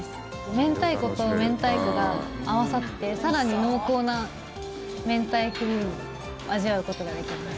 明太子と明太子が合わさって更に濃厚な明太クリームを味わうことができます。